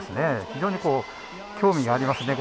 非常に興味ありますね。